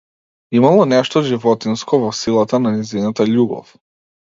Имало нешто животинско во силата на нејзината љубов.